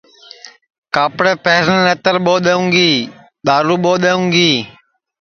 کاپڑے پہرنے نتر ٻو دؔونگی دؔارو ٻو دؔونگی